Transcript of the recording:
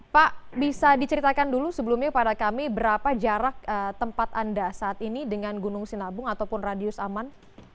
pak bisa diceritakan dulu sebelumnya pada kami berapa jarak tempat anda saat ini dengan gunung sinabung ataupun radius aman